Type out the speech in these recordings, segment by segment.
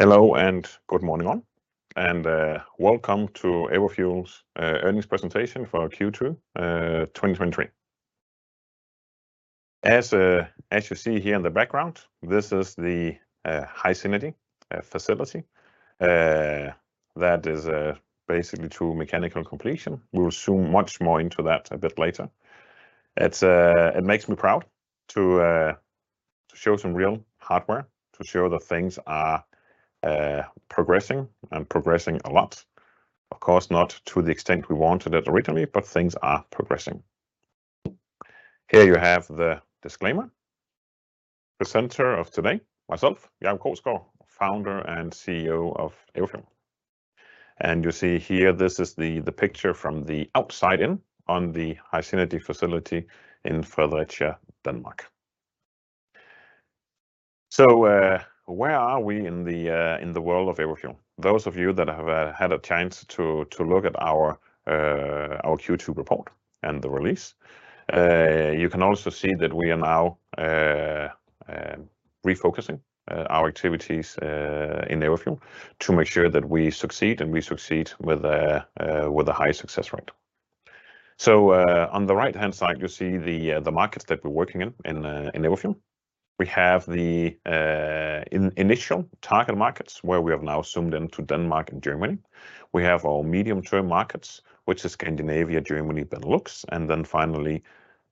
Hello, and good morning, all, and welcome to Everfuel's earnings presentation for Q2 2023. As you see here in the background, this is the HySynergy facility that is basically to mechanical completion. We will zoom much more into that a bit later. It makes me proud to show some real hardware, to show that things are progressing and progressing a lot. Of course, not to the extent we wanted it originally, but things are progressing. Here you have the disclaimer. The center of today, myself, Jacob Krogsgaard, founder and CEO of Everfuel. And you see here, this is the picture from the outside in on the HySynergy facility in Fredericia, Denmark. So, where are we in the world of Everfuel? Those of you that have had a chance to look at our Q2 report and the release, you can also see that we are now refocusing our activities in Everfuel to make sure that we succeed, and we succeed with a high success rate. So, on the right-hand side, you see the markets that we're working in in Everfuel. We have the initial target markets, where we have now zoomed into Denmark and Germany. We have our medium-term markets, which is Scandinavia, Germany, Benelux, and then finally,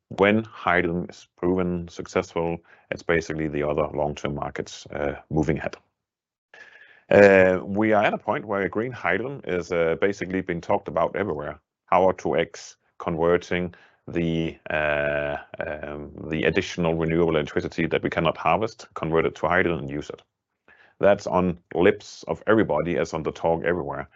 when hydrogen is proven successful, it's basically the other long-term markets moving ahead. We are at a point where green hydrogen is basically being talked about everywhere. Power-to-X, converting the additional renewable electricity that we cannot harvest, convert it to hydrogen, and use it. That's on the lips of everybody, as in the talk everywhere.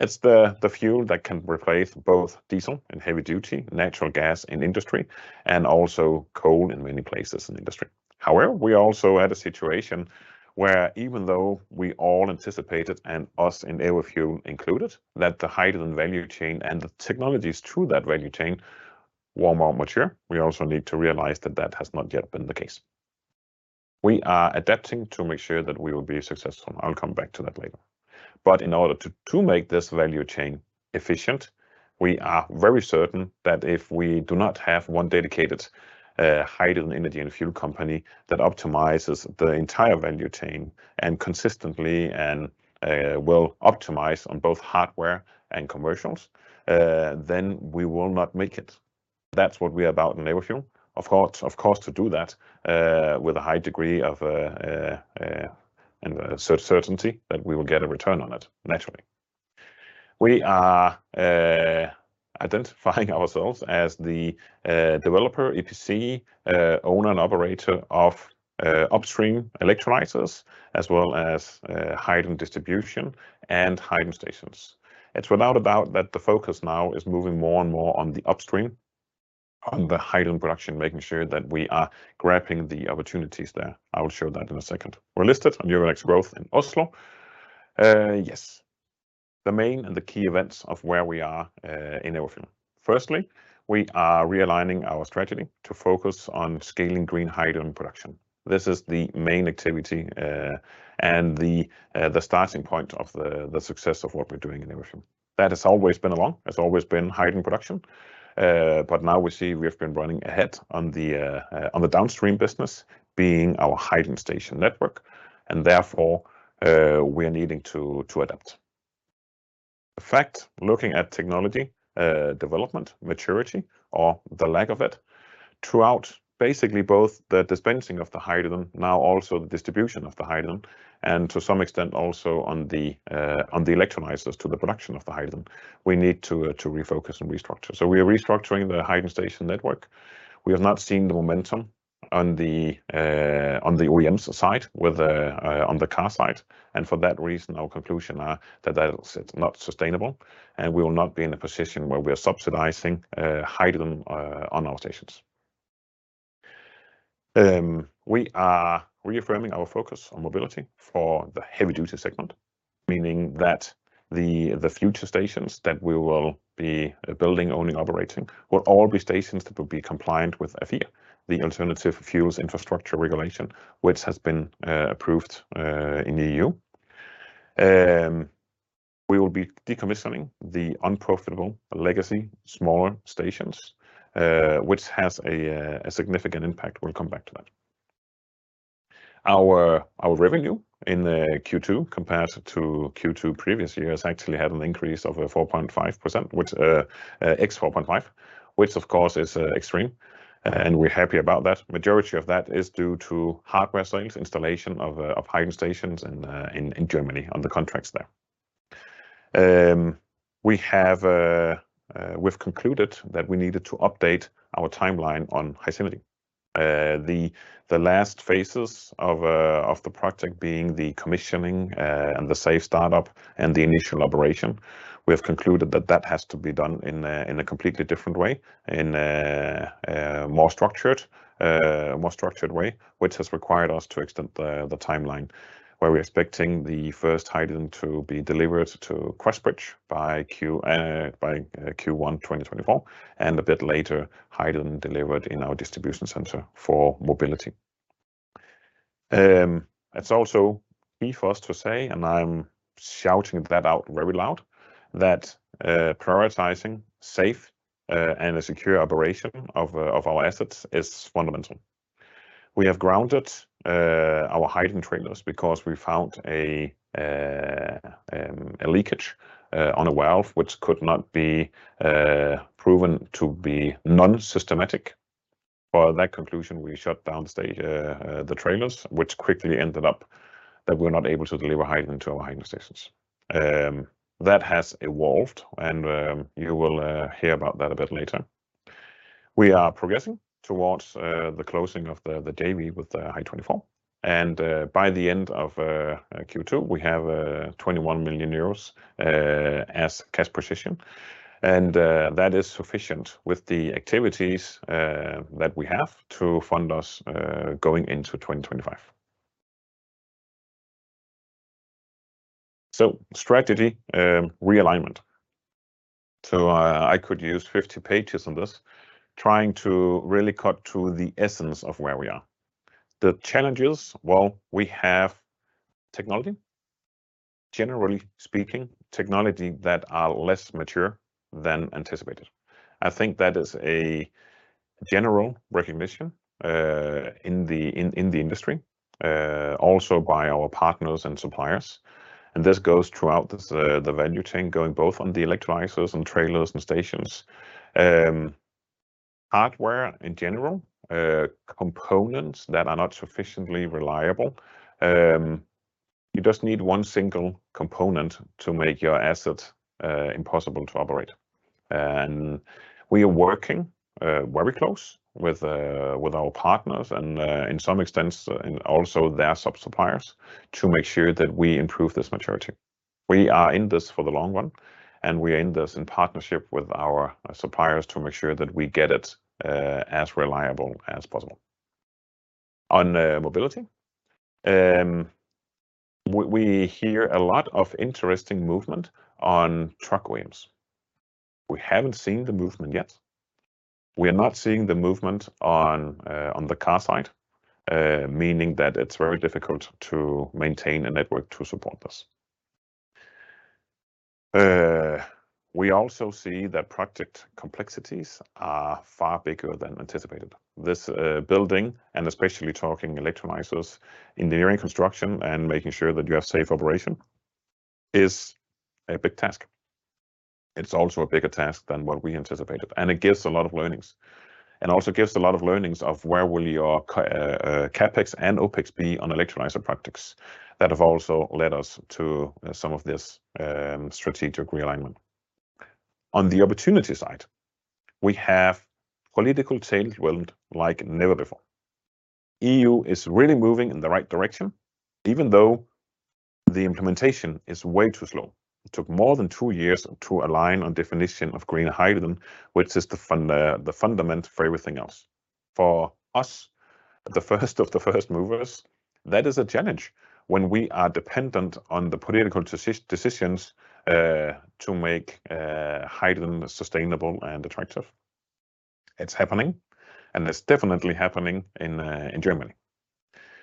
It's the fuel that can replace both diesel and heavy duty natural gas in industry, and also coal in many places in industry. However, we also had a situation where even though we all anticipated, and us in Everfuel included, that the hydrogen value chain and the technologies through that value chain were more mature, we also need to realize that that has not yet been the case. We are adapting to make sure that we will be successful, and I'll come back to that later. But in order to, to make this value chain efficient, we are very certain that if we do not have one dedicated hydrogen energy and fuel company that optimizes the entire value chain, and consistently and will optimize on both hardware and commercials, then we will not make it. That's what we're about in Everfuel. Of course, of course, to do that, with a high degree of certainty that we will get a return on it, naturally. We are identifying ourselves as the developer, EPC, owner, and operator of upstream electrolyzers, as well as hydrogen distribution and hydrogen stations. It's without a doubt that the focus now is moving more and more on the upstream, on the hydrogen production, making sure that we are grabbing the opportunities there. I will show that in a second. We're listed on Euronext Growth in Oslo. Yes, the main and the key events of where we are in Everfuel. Firstly, we are realigning our strategy to focus on scaling green hydrogen production. This is the main activity, and the starting point of the success of what we're doing in Everfuel. That has always been along, has always been hydrogen production. But now we see we have been running ahead on the downstream business, being our hydrogen station network, and therefore, we are needing to adapt. In fact, looking at technology, development, maturity, or the lack of it, throughout basically both the dispensing of the hydrogen, now also the distribution of the hydrogen, and to some extent also on the electrolyzers to the production of the hydrogen, we need to refocus and restructure. So we are restructuring the hydrogen station network. We have not seen the momentum on the OEM side, with, on the car side, and for that reason, our conclusion are that that is not sustainable, and we will not be in a position where we are subsidizing hydrogen on our stations. We are reaffirming our focus on mobility for the heavy duty segment, meaning that the future stations that we will be building, owning, operating, will all be stations that will be compliant with AFIR, the Alternative Fuels Infrastructure Regulation, which has been approved in the EU. We will be decommissioning the unprofitable legacy smaller stations, which has a significant impact. We'll come back to that. Our revenue in the Q2 compared to Q2 previous years actually had an increase of 4.5%, which x 4.5%, which of course is extreme, and we're happy about that. Majority of that is due to hardware sales, installation of hydrogen stations in Germany, on the contracts there. We have, we've concluded that we needed to update our timeline on HySynergy. The last phases of the project being the commissioning, and the safe startup, and the initial operation, we have concluded that that has to be done in a completely different way, in a more structured way, which has required us to extend the timeline, where we're expecting the first hydrogen to be delivered to Crossbridge by Q1 2024, and a bit later, hydrogen delivered in our distribution center for mobility.... It's also key for us to say, and I'm shouting that out very loud, that prioritizing safe and a secure operation of our assets is fundamental. We have grounded our hydrogen trailers because we found a leakage on a valve, which could not be proven to be non-systematic. For that conclusion, we shut down the trailers, which quickly ended up that we're not able to deliver hydrogen to our hydrogen stations. That has evolved, and you will hear about that a bit later. We are progressing towards the closing of the JV with Hy24, and by the end of Q2, we have 21 million euros as cash position, and that is sufficient with the activities that we have to fund us going into 2025. So strategy realignment. So I could use 50 pages on this, trying to really cut to the essence of where we are. The challenges, well, we have technology. Generally speaking, technology that are less mature than anticipated. I think that is a general recognition in the industry, also by our partners and suppliers, and this goes throughout the value chain, going both on the electrolyzers and trailers and stations. Hardware in general, components that are not sufficiently reliable. You just need one single component to make your asset impossible to operate. And we are working very close with our partners and, in some extents, and also their sub-suppliers, to make sure that we improve this maturity. We are in this for the long run, and we are in this in partnership with our suppliers to make sure that we get it as reliable as possible. On mobility, we hear a lot of interesting movement on truck OEMs. We haven't seen the movement yet. We are not seeing the movement on the car side, meaning that it's very difficult to maintain a network to support this. We also see that project complexities are far bigger than anticipated. This building, and especially talking electrolyzers, engineering, construction, and making sure that you have safe operation, is a big task. It's also a bigger task than what we anticipated, and it gives a lot of learnings, and also gives a lot of learnings of where will your CapEx and OpEx be on electrolyzer projects that have also led us to some of this strategic realignment. On the opportunity side, we have political tailwind like never before. EU is really moving in the right direction, even though the implementation is way too slow. It took more than two years to align on definition of green hydrogen, which is the fundament for everything else. For us, the first of the first movers, that is a challenge when we are dependent on the political decisions to make hydrogen sustainable and attractive. It's happening, and it's definitely happening in Germany.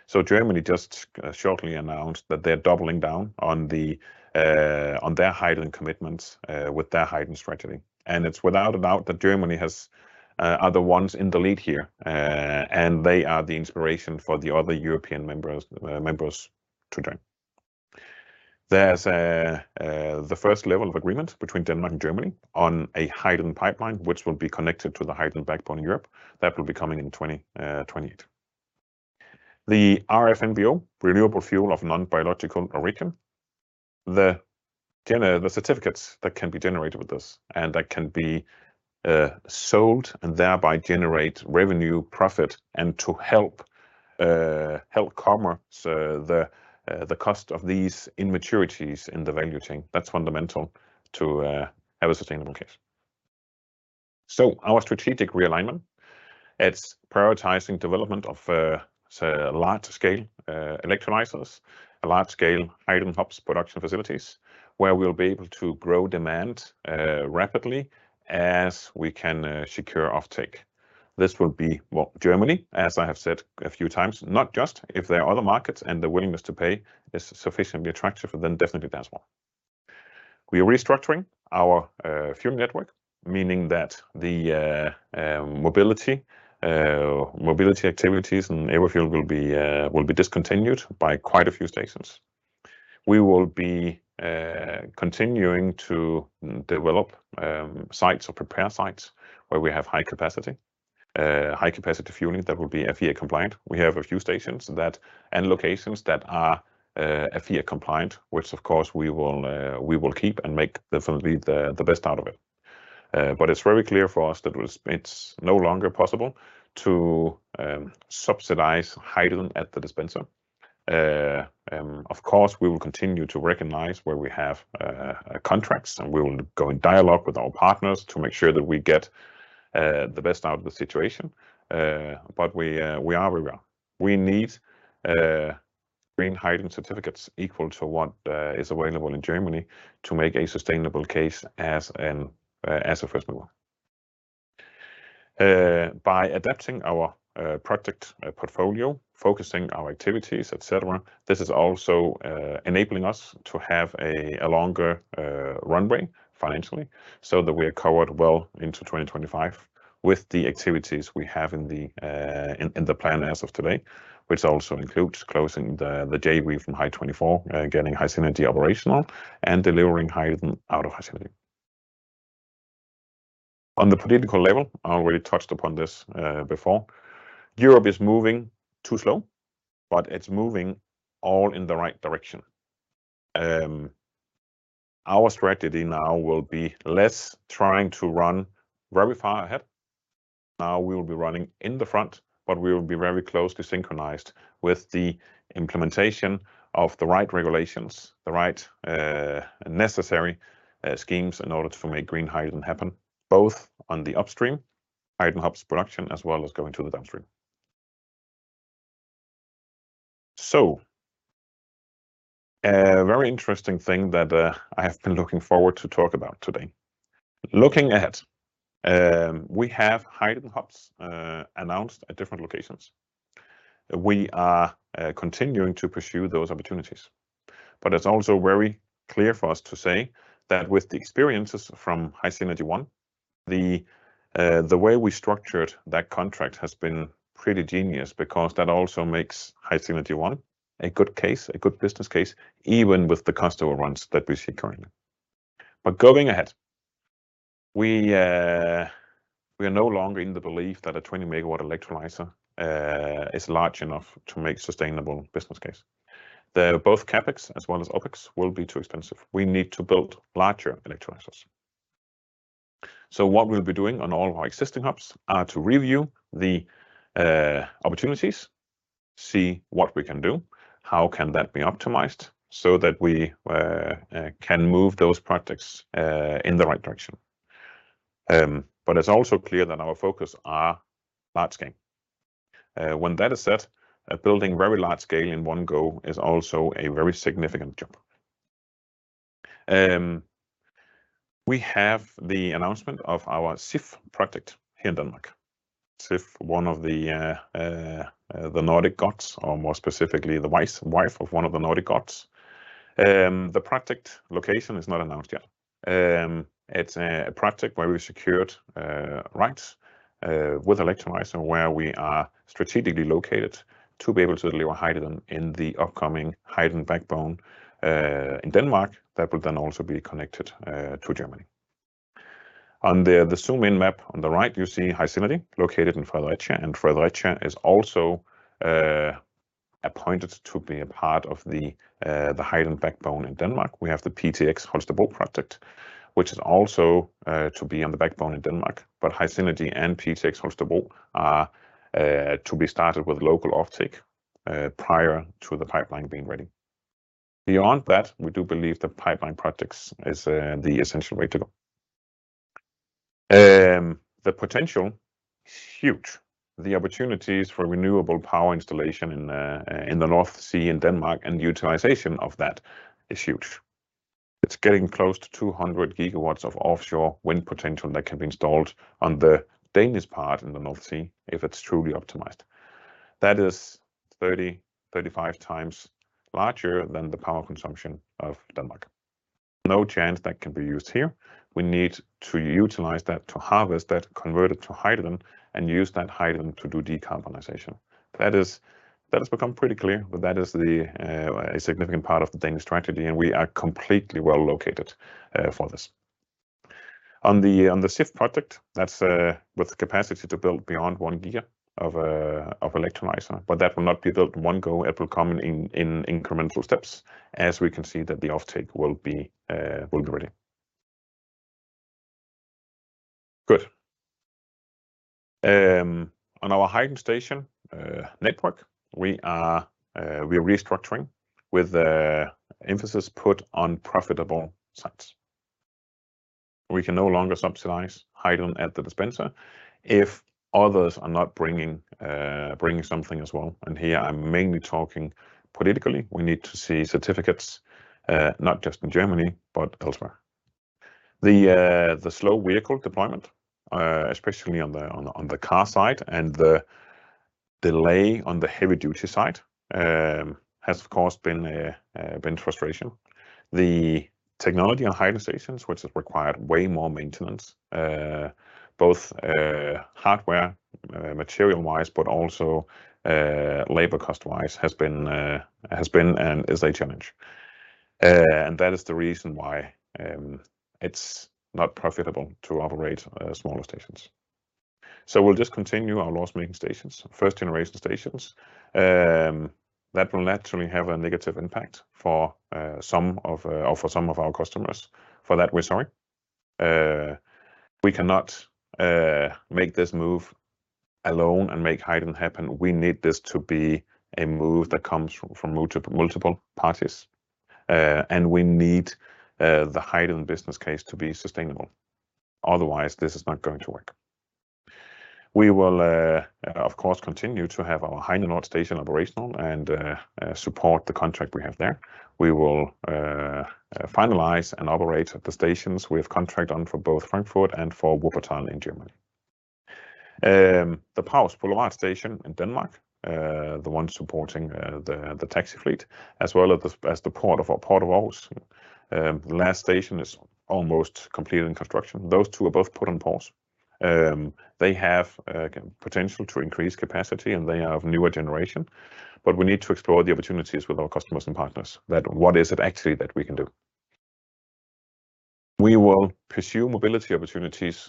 So Germany just shortly announced that they're doubling down on their hydrogen commitments with their hydrogen strategy, and it's without a doubt that Germany are the ones in the lead here, and they are the inspiration for the other European members to join. There's the first level of agreement between Denmark and Germany on a hydrogen pipeline, which will be connected to the hydrogen backbone in Europe. That will be coming in 2028. The RFNBO, Renewable Fuel of Non-Biological Origin, the certificates that can be generated with this, and that can be sold and thereby generate revenue, profit, and to help cover the cost of these immaturities in the value chain. That's fundamental to have a sustainable case. So our strategic realignment, it's prioritizing development of large-scale electrolyzers, large-scale hydrogen hubs production facilities, where we'll be able to grow demand rapidly as we can secure offtake. This will be, well, Germany, as I have said a few times, not just if there are other markets and the willingness to pay is sufficiently attractive, then definitely that as well. We are restructuring our fuel network, meaning that the mobility activities and Everfuel will be discontinued by quite a few stations. We will be continuing to develop sites or prepare sites where we have high capacity high-capacity fueling that will be AFIR compliant. We have a few stations and locations that are AFIR compliant, which of course we will keep and make definitely the best out of it. But it's very clear for us that it's no longer possible to subsidize hydrogen at the dispenser. Of course, we will continue to recognize where we have contracts, and we will go in dialogue with our partners to make sure that we get the best out of the situation. But we are where we are. We need green hydrogen certificates equal to what is available in Germany to make a sustainable case as a first move. By adapting our project portfolio, focusing our activities, et cetera, this is also enabling us to have a longer runway financially, so that we are covered well into 2025 with the activities we have in the plan as of today, which also includes closing the JV from Hy24, getting HySynergy operational, and delivering hydrogen out of HySynergy. On the political level, I already touched upon this before. Europe is moving too slow, but it's moving all in the right direction. Our strategy now will be less trying to run very far ahead. Now we will be running in the front, but we will be very closely synchronized with the implementation of the right regulations, the right, necessary, schemes in order to make green hydrogen happen, both on the upstream, hydrogen hubs production, as well as going to the downstream. So, a very interesting thing that I have been looking forward to talk about today. Looking ahead, we have hydrogen hubs announced at different locations. We are continuing to pursue those opportunities, but it's also very clear for us to say that with the experiences from HySynergy 1, the way we structured that contract has been pretty genius, because that also makes HySynergy 1 a good case, a good business case, even with the customer runs that we see currently. But going ahead, we are no longer in the belief that a 20 MW electrolyzer is large enough to make sustainable business case. The both CapEx as well as OpEx will be too expensive. We need to build larger electrolyzers. So what we'll be doing on all of our existing hubs are to review the opportunities, see what we can do, how can that be optimized, so that we can move those projects in the right direction. But it's also clear that our focus are large scale. When that is set, building very large scale in one go is also a very significant jump. We have the announcement of our Sif project here in Denmark. Sif, one of the Nordic gods, or more specifically, the wife of one of the Nordic gods. The project location is not announced yet. It's a project where we secured rights with electrolyzer, where we are strategically located to be able to deliver hydrogen in the upcoming hydrogen backbone in Denmark, that will then also be connected to Germany. On the zoom-in map on the right, you see HySynergy located in Fredericia, and Fredericia is also appointed to be a part of the hydrogen backbone in Denmark. We have the PtX Holstebro project, which is also to be on the backbone in Denmark. But HySynergy and PtX Holstebro are to be started with local offtake prior to the pipeline being ready. Beyond that, we do believe the pipeline projects is the essential way to go. The potential is huge. The opportunities for renewable power installation in the North Sea in Denmark, and utilization of that is huge. It's getting close to 200 gigawatts of offshore wind potential that can be installed on the Danish part in the North Sea if it's truly optimized. That is 30-35 times larger than the power consumption of Denmark. No chance that can be used here. We need to utilize that, to harvest that, convert it to hydrogen, and use that hydrogen to do decarbonization. That is, that has become pretty clear, that is a significant part of the Danish strategy, and we are completely well located for this. On the Project Sif, that's with the capacity to build beyond 1 GW of electrolyzer, but that will not be built in one go. It will come in incremental steps, as we can see that the offtake will be ready. Good. On our hydrogen station network, we are restructuring with emphasis put on profitable sites. We can no longer subsidize hydrogen at the dispenser if others are not bringing something as well, and here I'm mainly talking politically. We need to see certificates, not just in Germany, but elsewhere. The slow vehicle deployment, especially on the car side and the delay on the heavy-duty side, has of course been a frustration. The technology on hydrogen stations, which has required way more maintenance, both hardware material-wise, but also labor cost-wise, has been and is a challenge. That is the reason why it's not profitable to operate smaller stations. We'll just continue our loss-making stations, first-generation stations. That will naturally have a negative impact for some of our... for some of our customers. For that, we're sorry. We cannot make this move alone and make hydrogen happen. We need this to be a move that comes from, from multiple, multiple parties. And we need the hydrogen business case to be sustainable. Otherwise, this is not going to work. We will, of course, continue to have our Heinenoord station operational and support the contract we have there. We will finalize and operate at the stations we have contract on for both Frankfurt and for Wuppertal in Germany.... The Prags Boulevard station in Denmark, the one supporting the taxi fleet, as well as the port of our Port of Aarhus. The last station is almost completed in construction. Those two are both put on pause. They have potential to increase capacity, and they are of newer generation, but we need to explore the opportunities with our customers and partners, that what is it actually that we can do? We will pursue mobility opportunities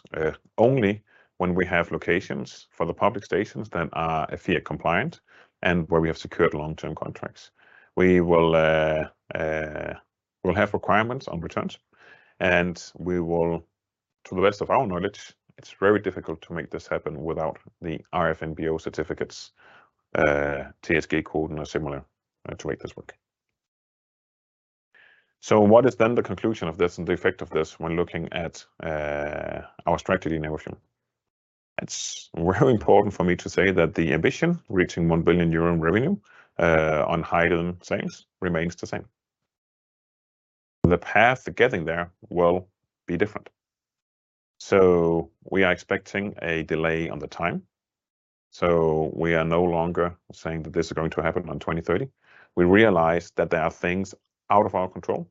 only when we have locations for the public stations that are AFIR compliant and where we have secured long-term contracts. We will have requirements on returns, and we will, to the best of our knowledge, it's very difficult to make this happen without the RFNBO certificates, THG quota and a similar to make this work. So what is then the conclusion of this and the effect of this when looking at our strategy in EFUEL? It's very important for me to say that the ambition, reaching 1 billion euro in revenue on hydrogen sales, remains the same. The path to getting there will be different. So we are expecting a delay on the time, so we are no longer saying that this is going to happen on 2030. We realize that there are things out of our control,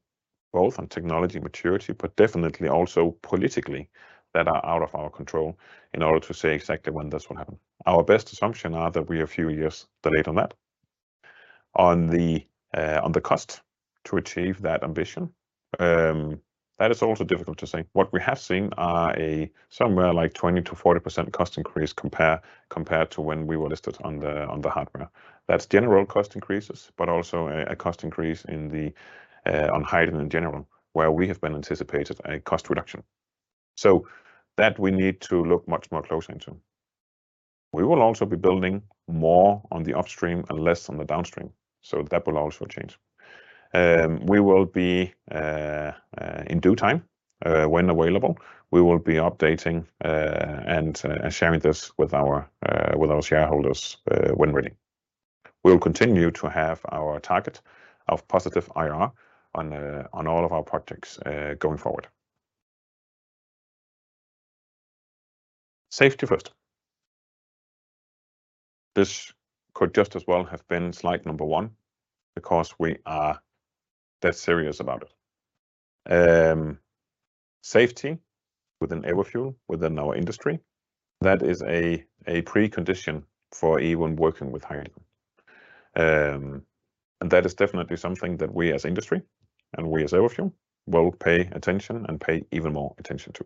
both on technology maturity, but definitely also politically, that are out of our control in order to say exactly when this will happen. Our best assumption are that we are a few years delayed on that. On the cost to achieve that ambition, that is also difficult to say. What we have seen are somewhere like 20%-40% cost increase compared to when we were listed on the, on the horizon. That's general cost increases, but also a cost increase in the, on hydrogen in general, where we have been anticipated a cost reduction. So that we need to look much more closely into. We will also be building more on the upstream and less on the downstream, so that will also change. We will be, in due time, when available, we will be updating, and sharing this with our, with our shareholders, when ready. We will continue to have our target of positive IRR on, on all of our projects, going forward. Safety first. This could just as well have been slide number one, because we are that serious about it. Safety within Everfuel, within our industry, that is a precondition for even working with hydrogen. And that is definitely something that we as industry and we as Everfuel will pay attention and pay even more attention to.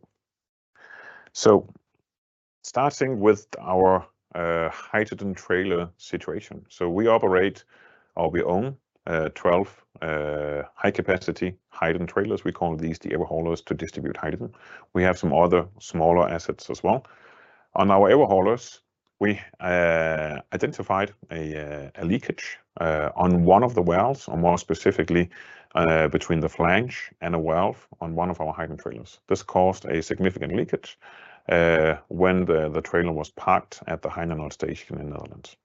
So starting with our hydrogen trailer situation. So we operate or we own 12 high-capacity hydrogen trailers. We call these the Everhaulers to distribute hydrogen. We have some other smaller assets as well. On our Everhaulers, we identified a leakage on one of the valves, or more specifically, between the flange and a valvel on one of our hydrogen trailers. This caused a significant leakage when the trailer was parked at the Heinenoord station in Netherlands.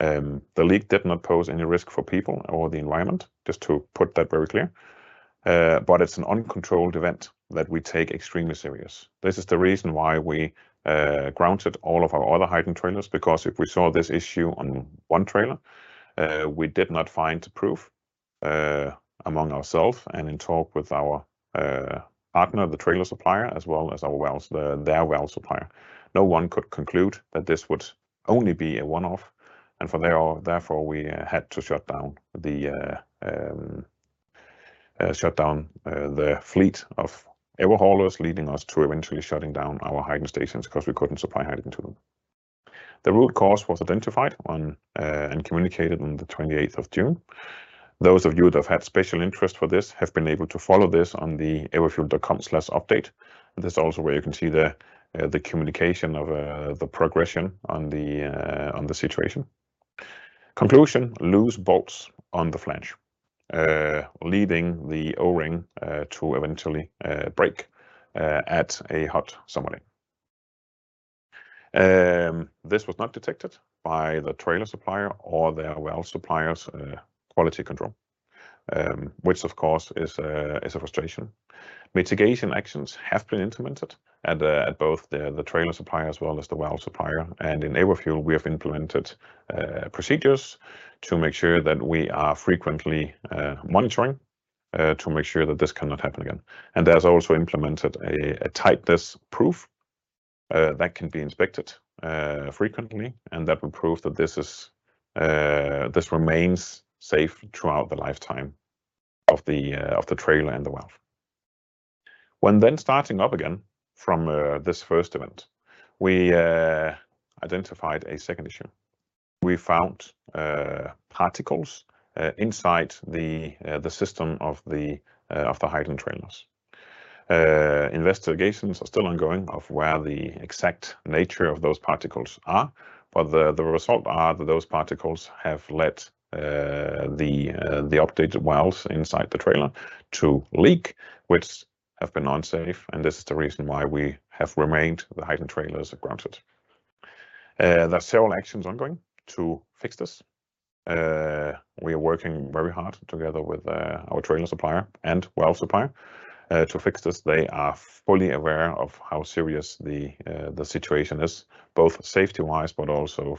The leak did not pose any risk for people or the environment, just to put that very clear, but it's an uncontrolled event that we take extremely serious. This is the reason why we grounded all of our other hydrogen trailers, because if we saw this issue on one trailer, we did not find proof among ourselves and in talks with our partner, the trailer supplier, as well as our welds, their weld supplier. No one could conclude that this would only be a one-off, and therefore, we had to shut down the fleet of Everhaulers, leading us to eventually shutting down our hydrogen stations because we couldn't supply hydrogen to them. The root cause was identified and communicated on the 28th of June. Those of you that have had special interest for this have been able to follow this on the everfuel.com/update. This is also where you can see the communication of the progression on the situation. Conclusion: loose bolts on the flange leading the O-ring to eventually break at a hot summer. This was not detected by the trailer supplier or their valve suppliers' quality control, which of course is a frustration. Mitigation actions have been implemented at both the trailer supplier as well as the valve supplier, and in Everfuel, we have implemented procedures to make sure that we are frequently monitoring to make sure that this cannot happen again. There's also implemented a tightness proof that can be inspected frequently, and that will prove that this remains safe throughout the lifetime of the trailer and the valve. When then starting up again from this first event, we identified a second issue. We found particles inside the system of the hydrogen trailers. Investigations are still ongoing of where the exact nature of those particles are, but the result are that those particles have led the updated valves inside the trailer to leak, which have been unsafe, and this is the reason why we have remained the hydrogen trailers are grounded. There are several actions ongoing to fix this. We are working very hard together with our trailer supplier and valve supplier to fix this. They are fully aware of how serious the situation is, both safety-wise, but also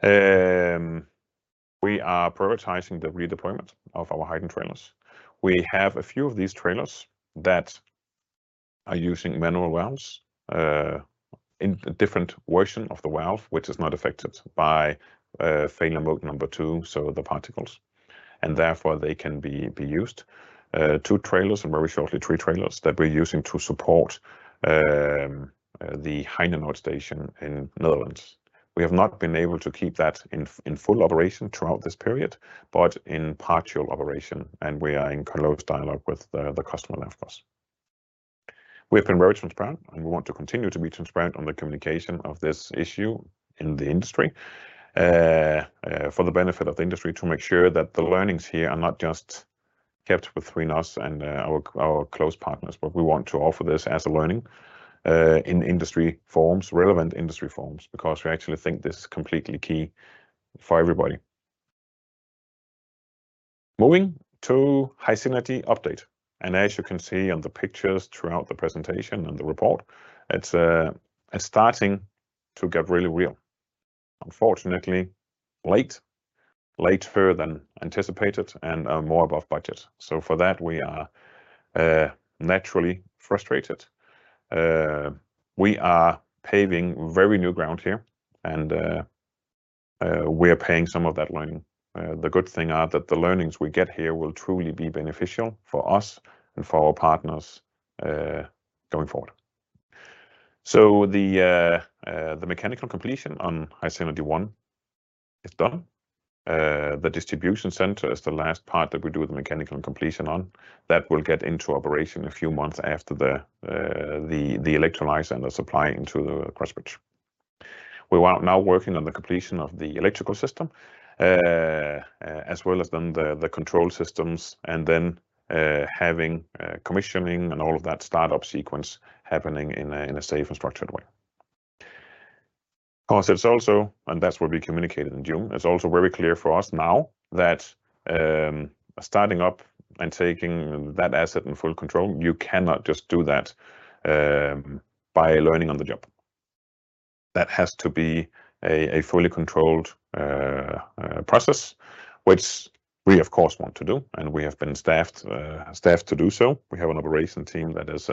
for us in. We are prioritizing the redeployment of our hydrogen trailers. We have a few of these trailers that are using manual valves in a different version of the valve, which is not affected by failure mode number two, so the particles, and therefore, they can be used. Two trailers, and very shortly, three trailers that we're using to support the Heinenoord station in the Netherlands. We have not been able to keep that in full operation throughout this period, but in partial operation, and we are in close dialogue with the customer of course. We've been very transparent, and we want to continue to be transparent on the communication of this issue in the industry, for the benefit of the industry, to make sure that the learnings here are not just kept between us and our close partners, but we want to offer this as a learning in industry forums, relevant industry forums, because we actually think this is completely key for everybody. Moving to HySynergy update, and as you can see on the pictures throughout the presentation and the report, it's starting to get really real. Unfortunately, later than anticipated, and more above budget. So for that, we are naturally frustrated. We are paving very new ground here, and we are paying some of that learning. The good thing are that the learnings we get here will truly be beneficial for us and for our partners, going forward. So the mechanical completion on HySynergy 1 is done. The distribution center is the last part that we do the mechanical completion on. That will get into operation a few months after the electrolyzer and the supply into the Crossbridge. We are now working on the completion of the electrical system, as well as then the control systems, and then having commissioning and all of that start-up sequence happening in a safe and structured way. Of course, it's also, and that's what we communicated in June, it's also very clear for us now that, starting up and taking that asset in full control, you cannot just do that, by learning on the job. That has to be a fully controlled process, which we of course want to do, and we have been staffed to do so. We have an operation team that is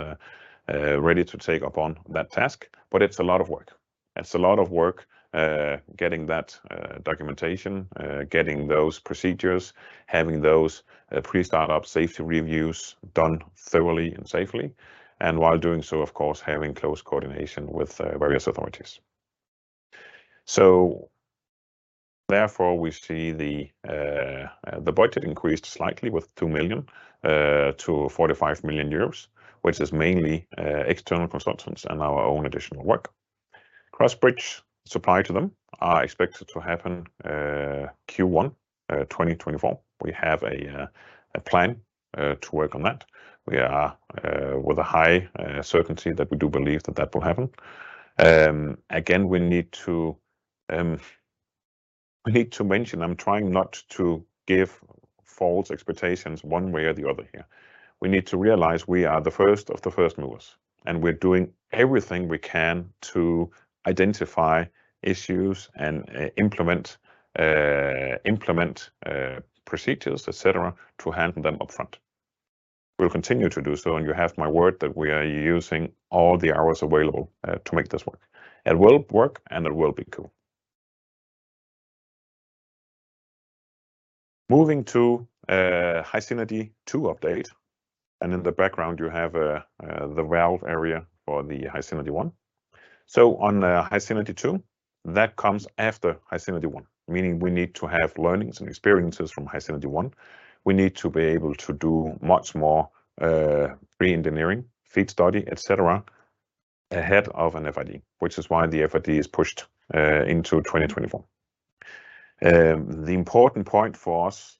ready to take up on that task, but it's a lot of work. It's a lot of work, getting that documentation, getting those procedures, having those pre-start-up safety reviews done thoroughly and safely, and while doing so, of course, having close coordination with various authorities. Therefore, we see the budget increased slightly with 2 million-45 million euros, which is mainly external consultants and our own additional work. Crossbridge, supply to them, are expected to happen Q1 2024. We have a plan to work on that. We are with a high certainty that we do believe that that will happen. Again, we need to mention, I'm trying not to give false expectations one way or the other here. We need to realize we are the first of the first movers, and we're doing everything we can to identify issues and implement procedures, et cetera, to handle them upfront. We'll continue to do so, and you have my word that we are using all the hours available to make this work. It will work, and it will be cool. Moving to HySynergy 2 update, and in the background you have the valve area for the HySynergy 1. So on HySynergy 2, that comes after HySynergy 1, meaning we need to have learnings and experiences from HySynergy 1. We need to be able to do much more re-engineering, FEED study, etc, ahead of an FID, which is why the FID is pushed into 2024. The important point for us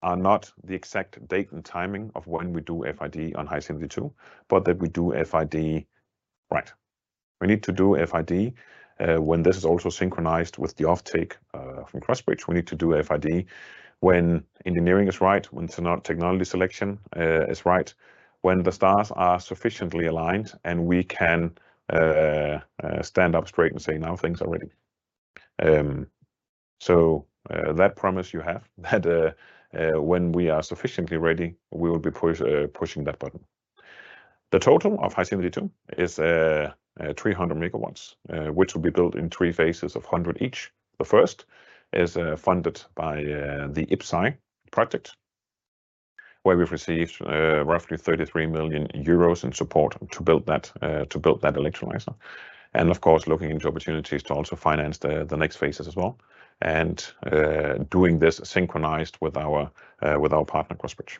are not the exact date and timing of when we do FID on HySynergy 2, but that we do FID right. We need to do FID when this is also synchronized with the offtake from Crossbridge. We need to do FID when engineering is right, when technology selection is right, when the stars are sufficiently aligned, and we can stand up straight and say, "Now things are ready." So, that promise you have, that when we are sufficiently ready, we will be pushing that button. The total of HySynergy 2 is 300 MW, which will be built in three phases of 100 each. The first is funded by the IPCEI project, where we've received roughly 33 million euros in support to build that electrolyzer. And of course, looking into opportunities to also finance the next phases as well, and doing this synchronized with our partner, Crossbridge.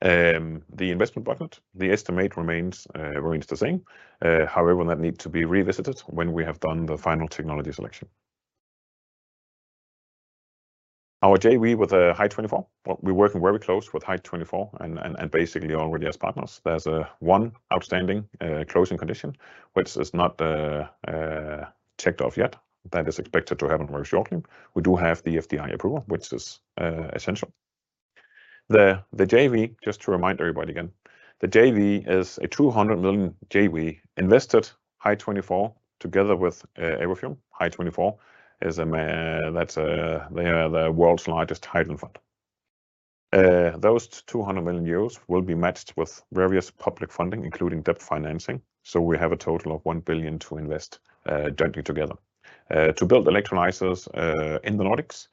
The investment budget, the estimate remains the same. However, that need to be revisited when we have done the final technology selection. Our JV with a Hy24. Well, we're working very close with Hy24, and basically already as partners. There's one outstanding closing condition, which is not checked off yet. That is expected to happen very shortly. We do have the FID approval, which is essential. The JV, just to remind everybody again, the JV is a 200 million JV invested Hy24 together with Everfuel. Hy24 is a That's they are the world's largest hydrogen fund. Those 200 million euros will be matched with various public funding, including debt financing, so we have a total of 1 billion to invest, jointly together, to build electrolyzers in the Nordics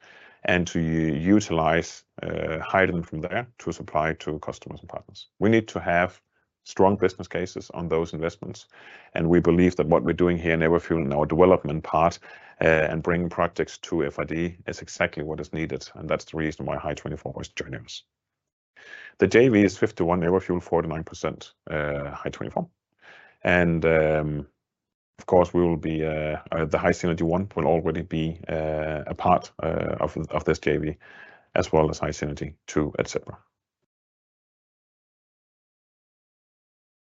and to utilize hydrogen from there to supply to customers and partners. We need to have strong business cases on those investments, and we believe that what we're doing here in Everfuel, in our development part, and bringing projects to FID is exactly what is needed, and that's the reason why Hy24 is joining us. The JV is 51% Everfuel, 49% Hy24, and, of course, the HySynergy 1 will already be a part of this JV, as well as HySynergy 2, etc.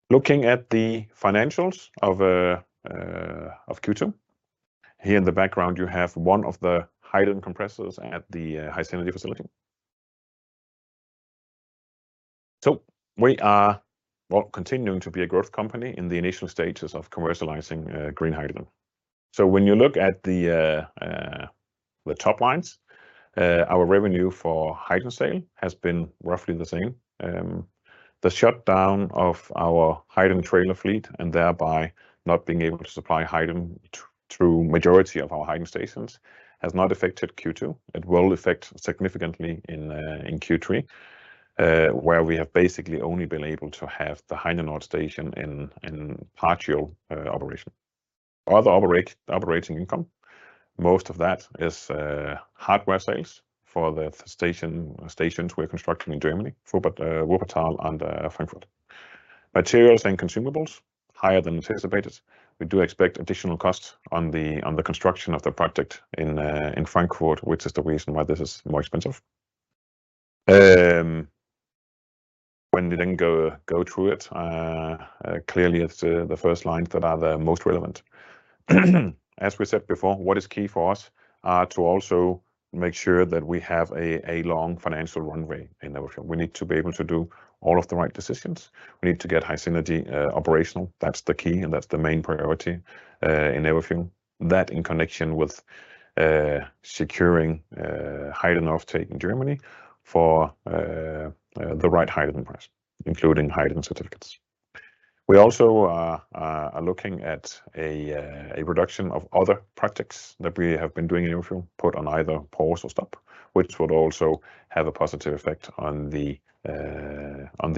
Looking at the financials of Q2, here in the background, you have one of the hydrogen compressors at the hydrogen facility. So we are, well, continuing to be a growth company in the initial stages of commercializing green hydrogen. So when you look at the top lines, our revenue for hydrogen sale has been roughly the same. The shutdown of our hydrogen trailer fleet, and thereby not being able to supply hydrogen through majority of our hydrogen stations, has not affected Q2. It will affect significantly in Q3, where we have basically only been able to have the Heinenoord station in partial operation. Other operating income, most of that is hardware sales for the stations we're constructing in Germany, for Wuppertal and Frankfurt. Materials and consumables, higher than anticipated. We do expect additional costs on the construction of the project in Frankfurt, which is the reason why this is more expensive. When we then go through it, clearly, it's the first lines that are the most relevant. As we said before, what is key for us are to also make sure that we have a long financial runway in Everfuel. We need to be able to do all of the right decisions. We need to get HySynergy operational. That's the key, and that's the main priority in Everfuel. That, in connection with securing hydrogen offtake in Germany for the right hydrogen price, including hydrogen certificates. We also are looking at a reduction of other projects that we have been doing in Everfuel, put on either pause or stop, which would also have a positive effect on the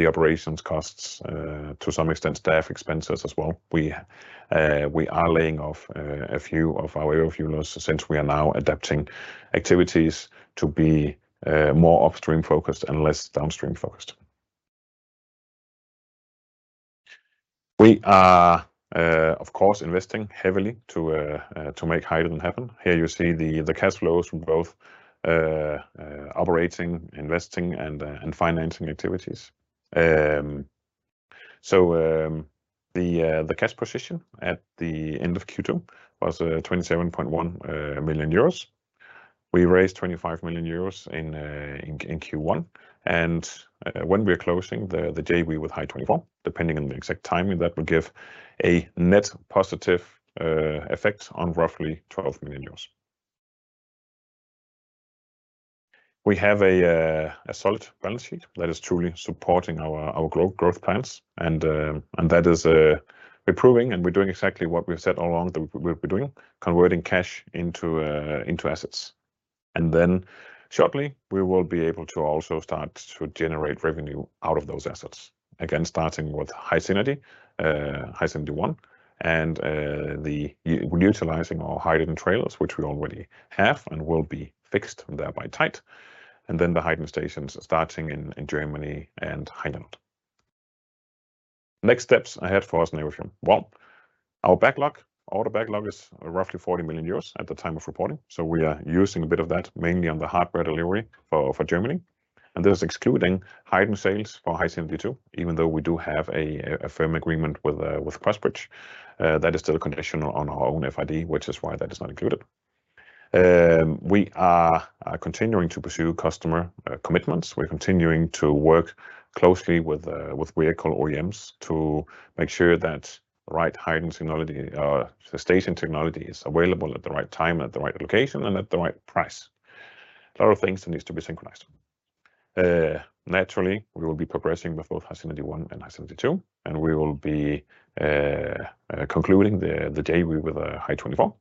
operations costs, to some extent, staff expenses as well. We are laying off a few of our Everfuelers, since we are now adapting activities to be more upstream-focused and less downstream-focused. We are of course investing heavily to make hydrogen happen. Here you see the cash flows from both operating, investing, and financing activities. So, the cash position at the end of Q2 was 27.1 million euros. We raised 25 million euros in Q1, and when we are closing the JV with Hy24, depending on the exact timing, that will give a net positive effect on roughly 12 million euros. We have a solid balance sheet that is truly supporting our growth plans, and that is improving, and we're doing exactly what we've said all along that we, we'll be doing, converting cash into assets. And then shortly, we will be able to also start to generate revenue out of those assets. Again, starting with HySynergy, HySynergy 1, and utilizing our hydrogen trailers, which we already have and will be fixed, and thereby tight, and then the hydrogen stations starting in Germany and Heinenoord. Next steps ahead for us in Everfuel. Well, our backlog, our backlog is roughly 40 million euros at the time of reporting, so we are using a bit of that, mainly on the hardware delivery for Germany, and this is excluding hydrogen sales for HySynergy 2, even though we do have a firm agreement with Crossbridge. That is still conditional on our own FID, which is why that is not included. We are continuing to pursue customer commitments. We're continuing to work closely with vehicle OEMs to make sure that the right hydrogen technology, the station technology is available at the right time, at the right location, and at the right price. A lot of things that needs to be synchronized. Naturally, we will be progressing with both HySynergy 1 and HySynergy 2, and we will be concluding the JV with Hy24,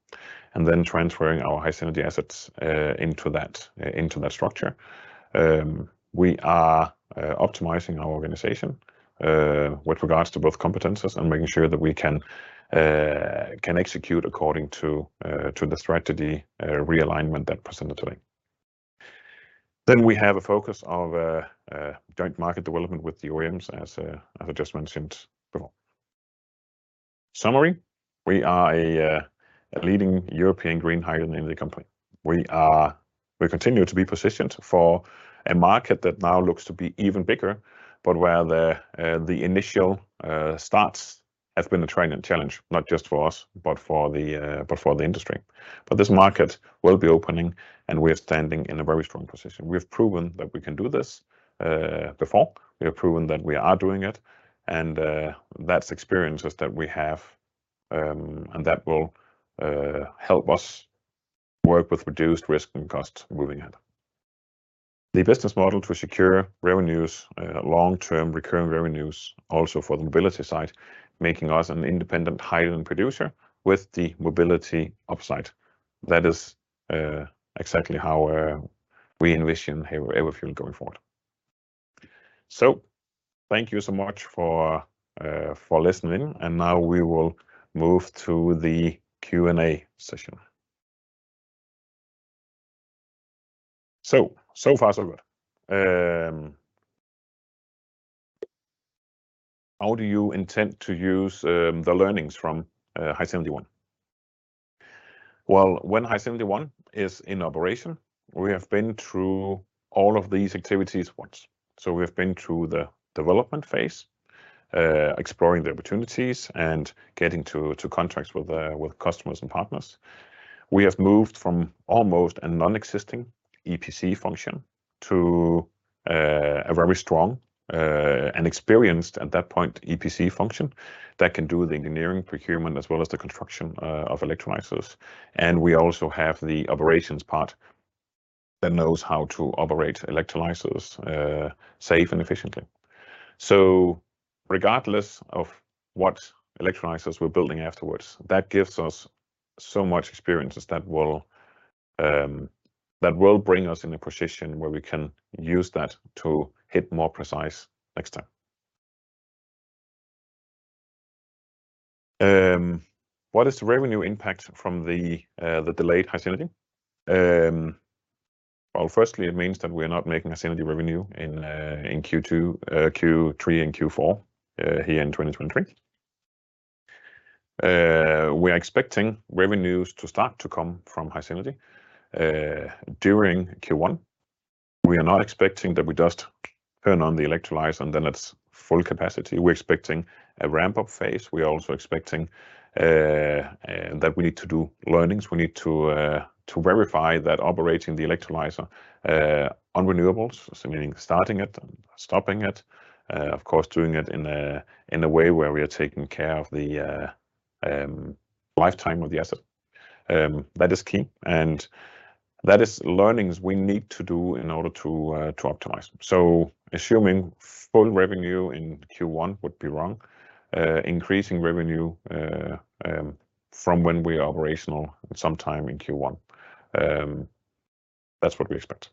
and then transferring our HySynergy assets into that structure. We are optimizing our organization with regards to both competences and making sure that we can execute according to the strategy realignment that presented today. Then we have a focus of joint market development with the OEMs, as I just mentioned before.... Summary, we are a leading European green hydrogen energy company. We are—we continue to be positioned for a market that now looks to be even bigger, but where the initial starts has been a training challenge, not just for us, but for the industry. But this market will be opening, and we are standing in a very strong position. We have proven that we can do this, before. We have proven that we are doing it, and, that's experiences that we have, and that will, help us work with reduced risk and costs moving ahead. The business model to secure revenues, long-term recurring revenues, also for the mobility side, making us an independent hydrogen producer with the mobility upside. That is, exactly how, we envision Hy24 going forward. So thank you so much for, for listening, and now we will move to the Q&A session. So, so far, so good. How do you intend to use, the learnings from, HySynergy 1? Well, when HySynergy 1 is in operation, we have been through all of these activities once. So we have been through the development phase, exploring the opportunities, and getting to contracts with customers and partners. We have moved from almost a non-existing EPC function to a very strong and experienced, at that point, EPC function that can do the engineering procurement, as well as the construction of electrolyzers. And we also have the operations part that knows how to operate electrolyzers safe and efficiently. So regardless of what electrolyzers we're building afterwards, that gives us so much experiences that will bring us in a position where we can use that to hit more precise next time. What is the revenue impact from the delayed HySynergy? Well, firstly, it means that we're not making HySynergy revenue in Q2, Q3, and Q4 here in 2023. We are expecting revenues to start to come from HySynergy during Q1. We are not expecting that we just turn on the electrolyzer, and then it's full capacity. We're expecting a ramp-up phase. We are also expecting that we need to do learnings. We need to verify that operating the electrolyzer on renewables, so meaning starting it and stopping it, of course, doing it in a way where we are taking care of the lifetime of the asset. That is key, and that is learnings we need to do in order to optimize. So assuming full revenue in Q1 would be wrong. Increasing revenue from when we are operational sometime in Q1, that's what we expect.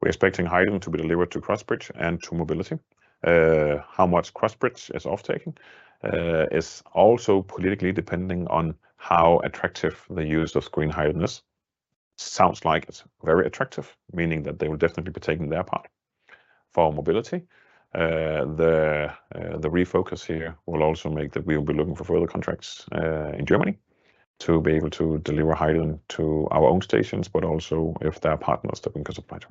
We're expecting hydrogen to be delivered to Crossbridge and to mobility. How much Crossbridge is off-taking is also politically depending on how attractive the use of green hydrogen is. Sounds like it's very attractive, meaning that they will definitely be taking their part. For mobility, the refocus here will also make that we will be looking for further contracts in Germany to be able to deliver hydrogen to our own stations, but also if there are partners that we can supply to.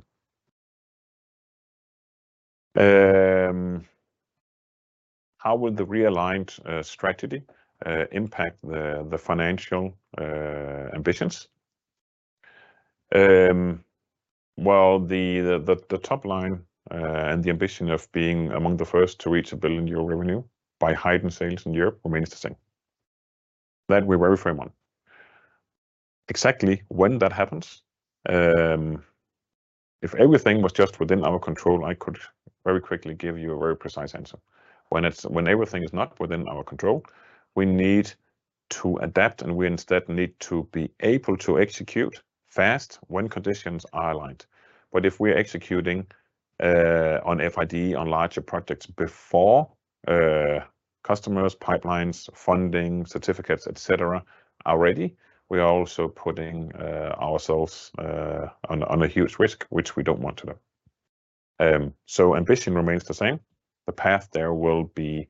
How would the realigned strategy impact the financial ambitions? Well, the top line and the ambition of being among the first to reach 1 billion euro revenue by heightened sales in Europe remains the same. That we were framed on. Exactly when that happens, if everything was just within our control, I could very quickly give you a very precise answer. When everything is not within our control, we need to adapt, and we instead need to be able to execute fast when conditions are aligned. But if we are executing on FID on larger projects before customers, pipelines, funding, certificates, et cetera, are ready, we are also putting ourselves on a huge risk, which we don't want to do. So ambition remains the same. The path there will be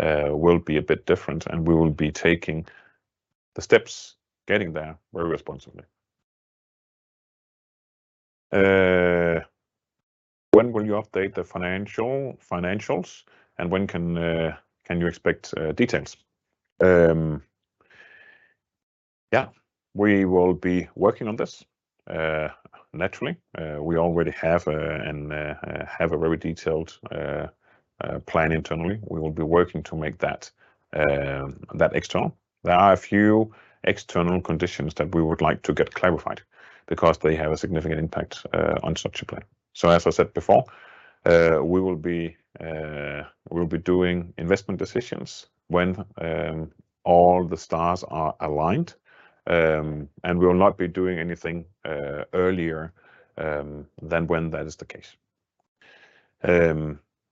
a bit different, and we will be taking the steps, getting there very responsibly. When will you update the financials, and when can you expect details? Yeah, we will be working on this. Naturally, we already have a very detailed plan internally. We will be working to make that external. There are a few external conditions that we would like to get clarified because they have a significant impact on such a plan. So as I said before, we will be doing investment decisions when all the stars are aligned. We will not be doing anything earlier than when that is the case.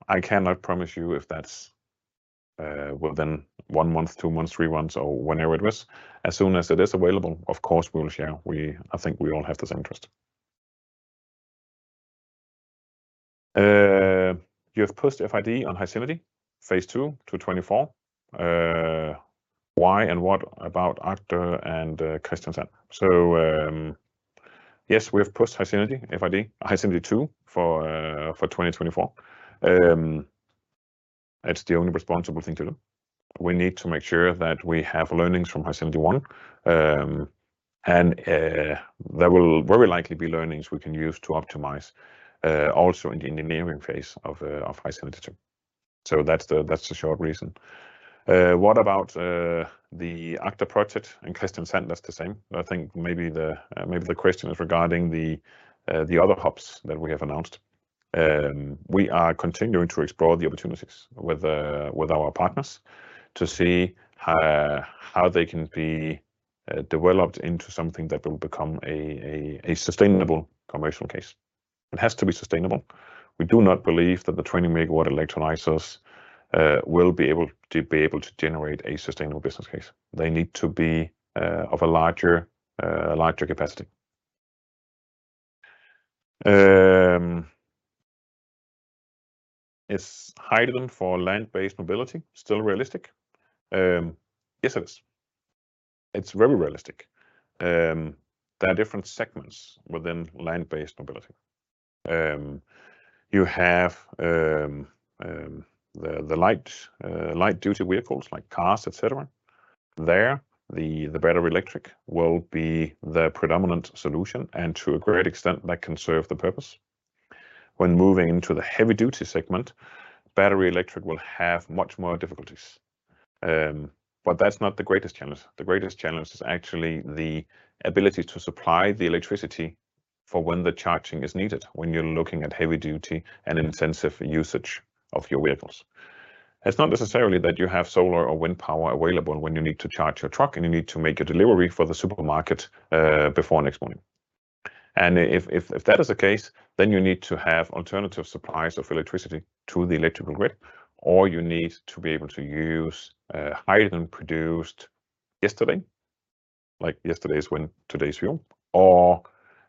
I cannot promise you if that's within one month, two months, three months, or whenever it is. As soon as it is available, of course, we will share. I think we all have the same interest. You have pushed FID on HySynergy Phase II to 2024. Why and what about Agder and Kristiansand? So, yes, we have pushed HySynergy FID, HySynergy 2 for 2024. It's the only responsible thing to do. We need to make sure that we have learnings from HySynergy 1, and there will very likely be learnings we can use to optimize also in the engineering phase of HySynergy 2. So that's the, that's the short reason. What about the Agder project and Kristiansand? That's the same. I think maybe the, maybe the question is regarding the other hubs that we have announced. We are continuing to explore the opportunities with our partners to see how they can be developed into something that will become a sustainable commercial case. It has to be sustainable. We do not believe that the 20 MW electrolyzers will be able to generate a sustainable business case. They need to be of a larger capacity. Is hydrogen for land-based mobility still realistic? Yes, it is. It's very realistic. There are different segments within land-based mobility. You have the light-duty vehicles like cars, et cetera. The battery electric will be the predominant solution, and to a great extent, that can serve the purpose. When moving into the heavy-duty segment, battery electric will have much more difficulties. But that's not the greatest challenge. The greatest challenge is actually the ability to supply the electricity for when the charging is needed, when you're looking at heavy-duty and intensive usage of your vehicles. It's not necessarily that you have solar or wind power available when you need to charge your truck, and you need to make a delivery for the supermarket before next morning. If that is the case, then you need to have alternative supplies of electricity to the electrical grid, or you need to be able to use hydrogen produced yesterday, like yesterday's wind, today's fuel, or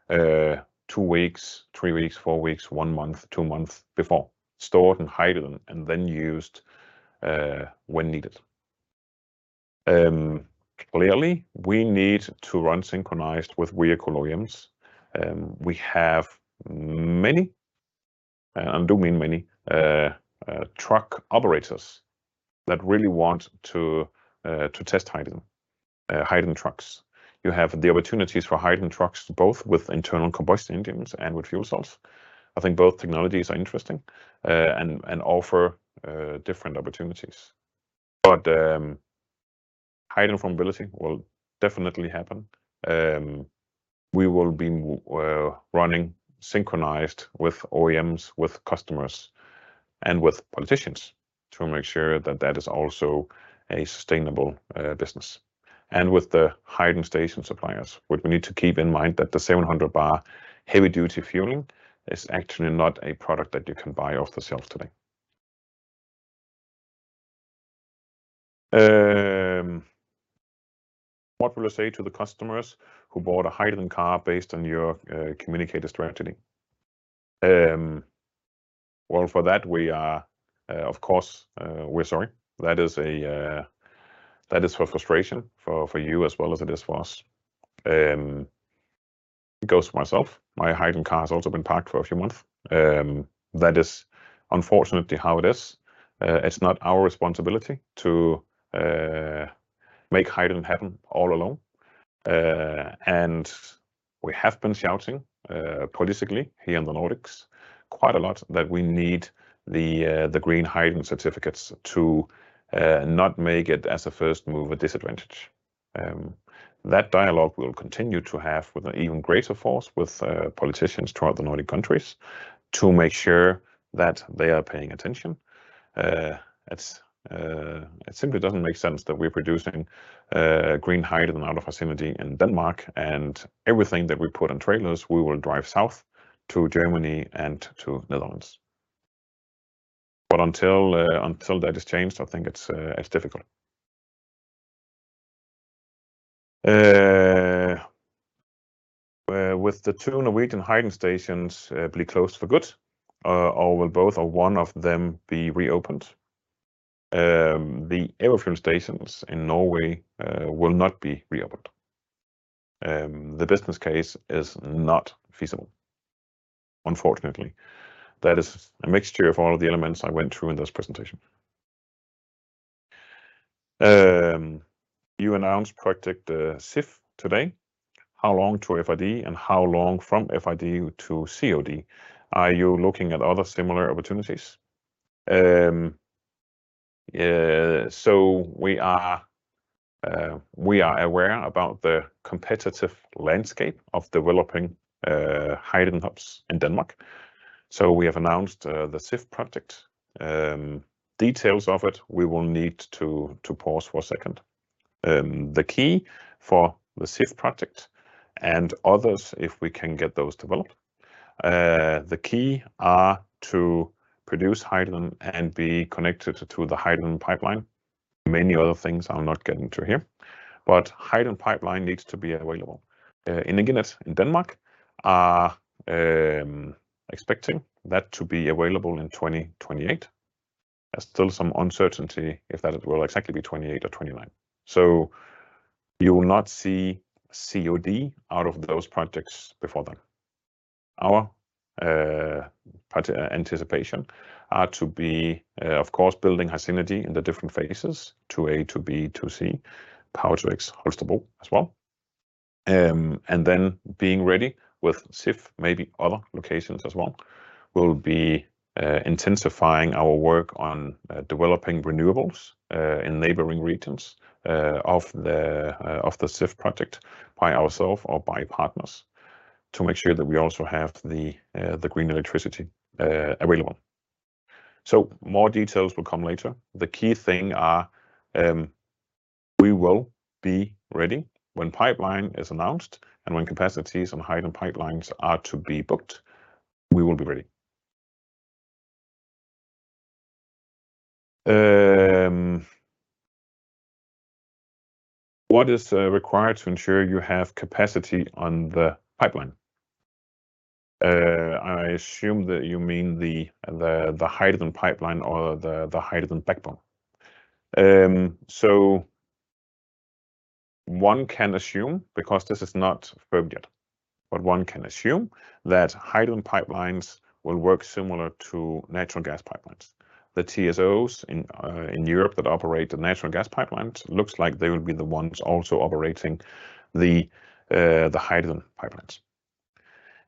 two weeks, three weeks, four weeks, one month, two months before, stored in hydrogen and then used when needed. Clearly, we need to run synchronized with vehicle OEMs. We have many, and I do mean many, truck operators that really want to test hydrogen trucks. You have the opportunities for hydrogen trucks, both with internal combustion engines and with fuel cells. I think both technologies are interesting, and offer different opportunities. But hydrogen mobility will definitely happen. We will be running synchronized with OEMs, with customers, and with politicians to make sure that that is also a sustainable business, and with the hydrogen station suppliers. What we need to keep in mind that the 700 bar heavy-duty fueling is actually not a product that you can buy off the shelf today. What will you say to the customers who bought a hydrogen car based on your communication strategy? Well, for that we are, of course, we're sorry. That is a frustration for you as well as it is for us. It goes for myself. My hydrogen car has also been parked for a few months. That is unfortunately how it is. It's not our responsibility to make hydrogen happen all alone. We have been shouting, politically here in the Nordics quite a lot, that we need the green hydrogen certificates to not make it as a first mover disadvantage. That dialogue we'll continue to have with an even greater force with politicians throughout the Nordic countries to make sure that they are paying attention. It's it simply doesn't make sense that we're producing green hydrogen out of HySynergy in Denmark, and everything that we put on trailers, we will drive south to Germany and to Netherlands. But until that is changed, I think it's it's difficult. Will the two Norwegian hydrogen stations be closed for good, or will both or one of them be reopened? The Everfuel stations in Norway will not be reopened. The business case is not feasible, unfortunately. That is a mixture of all of the elements I went through in this presentation. You announced Project Sif today. How long to FID, and how long from FID to COD? Are you looking at other similar opportunities? So we are aware about the competitive landscape of developing hydrogen hubs in Denmark. So we have announced the Sif project. Details of it, we will need to pause for a second. The key for the Sif project and others, if we can get those developed, the key are to produce hydrogen and be connected to the hydrogen pipeline. Many other things I'll not get into here, but hydrogen pipeline needs to be available. In Denmark, expecting that to be available in 2028. There's still some uncertainty if that will exactly be 28 or 29. So you will not see COD out of those projects before then. Our participation are to be, of course, building HySynergy in the different phases, to A to B to C, Power-to-X Holstebro as well. And then being ready with Sif, maybe other locations as well. We'll be intensifying our work on developing renewables in neighboring regions of the Sif project by ourselves or by partners, to make sure that we also have the green electricity available. So more details will come later. The key thing are, we will be ready when pipeline is announced, and when capacities on hydrogen pipelines are to be booked, we will be ready. What is required to ensure you have capacity on the pipeline? I assume that you mean the hydrogen pipeline or the hydrogen backbone. So one can assume, because this is not firm yet, but one can assume that hydrogen pipelines will work similar to natural gas pipelines. The TSOs in Europe that operate the natural gas pipelines looks like they will be the ones also operating the hydrogen pipelines.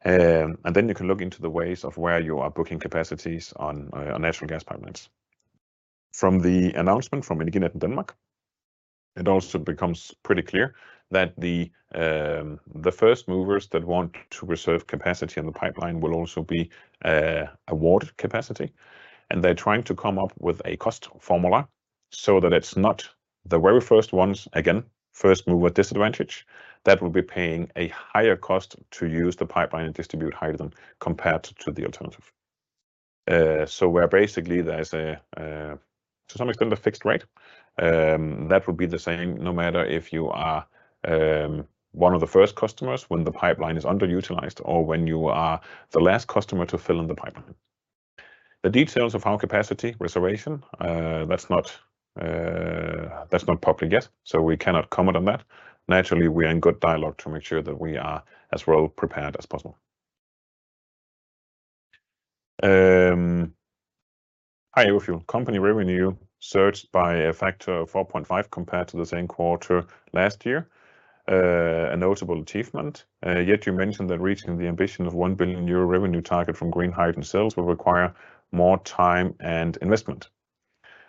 And then you can look into the ways of where you are booking capacities on natural gas pipelines. From the announcement from Energinet in Denmark, it also becomes pretty clear that the first movers that want to reserve capacity on the pipeline will also be awarded capacity, and they're trying to come up with a cost formula so that it's not the very first ones, again, first mover disadvantage, that will be paying a higher cost to use the pipeline and distribute hydrogen compared to the alternative. So where basically there's a to some extent a fixed rate that would be the same no matter if you are one of the first customers when the pipeline is underutilized or when you are the last customer to fill in the pipeline. The details of our capacity reservation, that's not public yet, so we cannot comment on that. Naturally, we are in good dialogue to make sure that we are as well-prepared as possible. Everfuel company revenue surged by a factor of 4.5 compared to the same quarter last year. A notable achievement, yet you mentioned that reaching the ambition of 1 billion euro revenue target from green hydrogen sales will require more time and investment.